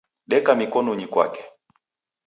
Deka mikonunyi kwake.